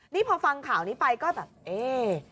นี่พอฟังข่าวนี้ไปก็แบบเอ๊ะ